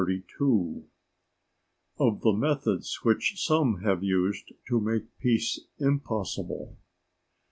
—Of the methods which some have used to make Peace impossible.